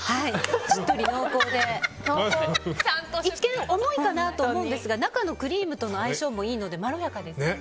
しっとり濃厚で一見重いかなと思うんですが中のクリームとの相性も合うので、まろやかです。